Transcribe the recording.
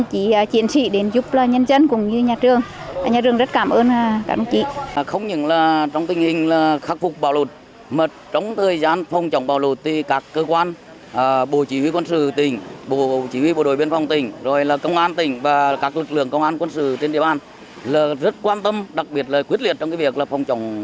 các lực lượng công an quân sự trên địa bàn rất quan tâm đặc biệt là quyết liệt trong việc phòng trọng